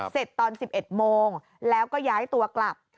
เสร็จตอน๑๑โมงแล้วก็ย้ายตัวกลับ